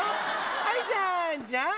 はい、じゃんじゃん。